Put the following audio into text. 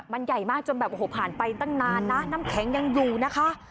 มันใหญ่มากจนแบบโอ้โหผ่านไปตั้งนานนะน้ำแข็งยังอยู่นะคะ